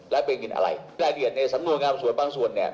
แล้วเป็นเงินอะไรรายละเอียดในสำนวงงานส่วนบางส่วน